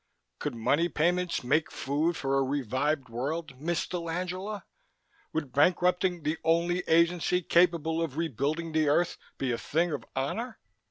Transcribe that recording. Could money payments make food for a revived world, Miss dell'Angela? Would bankrupting the only agency capable of rebuilding the Earth be a thing of honor?